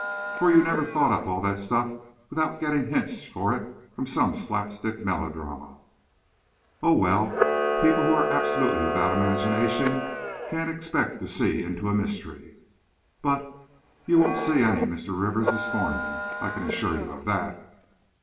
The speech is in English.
For you never thought up all that stuff without getting hints for it from some slapstick melodrama!" "Oh, well, people who are absolutely without imagination can't expect to see into a mystery! But, you won't see any Mr. Rivers this morning, I can assure you of that!"